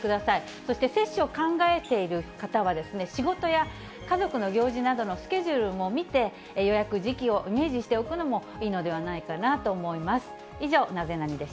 そして接種を考えている方は、仕事や家族の行事などのスケジュールも見て、予約時期をイメージしておくのもいいのではないかなと思います。